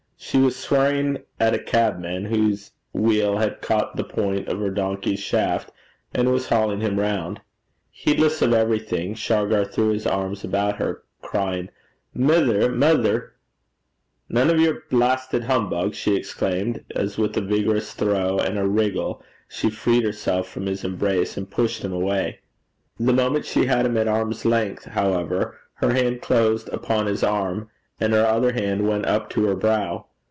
She was swearing at a cabman whose wheel had caught the point of her donkey's shaft, and was hauling him round. Heedless of everything, Shargar threw his arms about her, crying, 'Mither! mither!' 'Nane o' yer blastit humbug!' she exclaimed, as, with a vigorous throw and a wriggle, she freed herself from his embrace and pushed him away. The moment she had him at arm's length, however, her hand closed upon his arm, and her other hand went up to her brow.